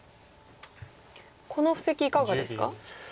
この布石いかがですか？